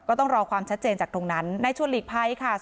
ต้องรอความชัดเจนจากตรงนั้นในชวนหลีกภัยค่ะ